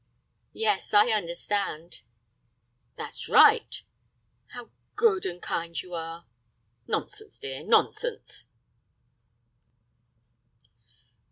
"Yes, I understand." "That's right." "How good and kind you are." "Nonsense, dear, nonsense."